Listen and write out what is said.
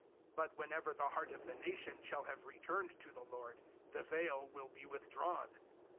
003:016 But whenever the heart of the nation shall have returned to the Lord, the veil will be withdrawn.